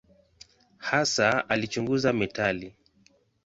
Hasa alichunguza metali.